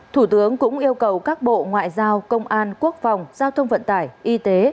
thủ tướng cũng yêu cầu các bộ ngoại giao công an quốc phòng giao thông vận tải y tế